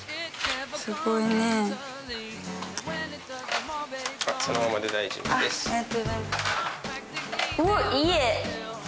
すごいねあっそのままで大丈夫ですあっありがとうございますうわっ